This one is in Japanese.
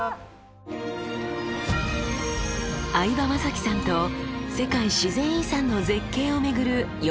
相葉雅紀さんと世界自然遺産の絶景を巡る４Ｋ生中継！